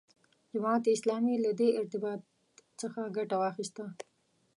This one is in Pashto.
جماعت اسلامي له دې ارتباط څخه ګټه واخیسته.